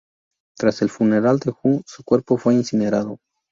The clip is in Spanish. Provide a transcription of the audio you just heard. Tras el funeral de Hu, su cuerpo fue incinerado.